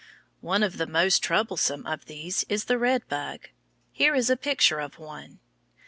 One of the most troublesome of these is the red bug. Here is a picture of one.